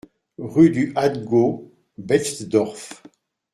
Rue du Hattgau, Betschdorf